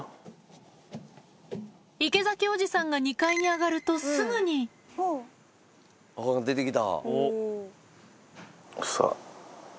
池崎おじさんが２階に上がるとすぐに出て来た。